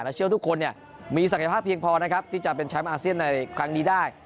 เชื่อว่าทุกคนมีศักยภาพเพียงพอนะครับที่จะเป็นแชมป์อาเซียนในครั้งนี้ได้